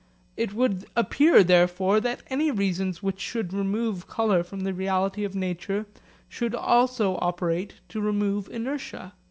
It would appear therefore that any reasons which should remove colour from the reality of nature should also operate to remove inertia.